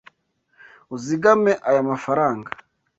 Uzigame aya mafaranga.